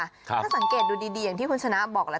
ถ้าสังเกตดูดีอย่างที่คุณชนะบอกแล้ว